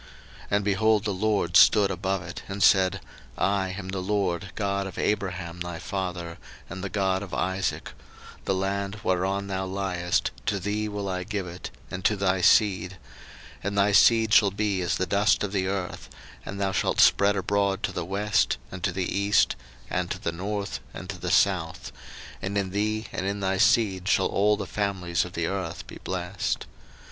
01:028:013 And, behold, the LORD stood above it, and said, I am the LORD God of Abraham thy father, and the God of Isaac: the land whereon thou liest, to thee will I give it, and to thy seed; 01:028:014 And thy seed shall be as the dust of the earth, and thou shalt spread abroad to the west, and to the east, and to the north, and to the south: and in thee and in thy seed shall all the families of the earth be blessed.